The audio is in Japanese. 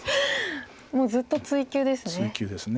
もうずっと追及ですね。